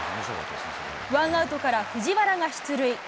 ワンアウトから藤原が出塁。